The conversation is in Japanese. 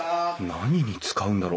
何に使うんだろ？